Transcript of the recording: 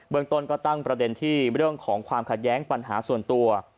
เมืองต้นก็ตั้งประเด็นที่เรื่องของความขัดแย้งปัญหาส่วนตัว